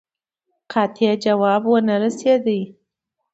قاطع جواب ونه رسېدی.